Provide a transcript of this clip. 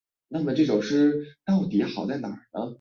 校长开济携学校田洲产物契券赴后方后不知所踪。